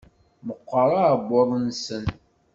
Meqqer uɛebbuḍ-nsen.